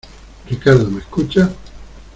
Ricardo, ¿ me escuchas?